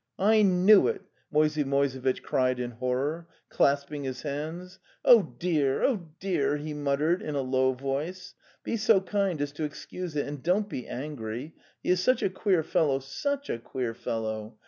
"' T knew it!' Moisey Moisevitch cried in horror, clasping | his'\hands)/\\"".Oh 'dear, oh\dear lhe muttered in a low voice. '' Be so kind as to excuse it, and don't be angry. He is such a queer fellow, such a queer fellow!